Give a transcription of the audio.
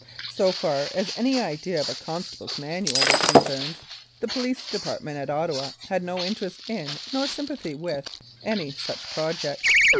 So far as any idea of a "Constable's Manual" 4 1883 84. Regina was concerned, the Police Department at Ottawa had no interest in, nor any sympathy with, any such pro ject.